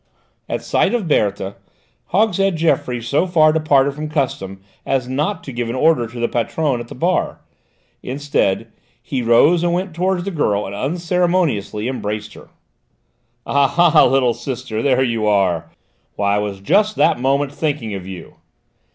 At sight of Berthe, Hogshead Geoffroy so far departed from custom as not to give an order to the patronne at the bar; instead, he rose and went towards the girl and unceremoniously embraced her. "Ah ha, little sister, there you are! Why, I was just that moment thinking of you!"